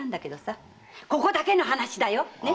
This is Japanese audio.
ここだけの話だよ！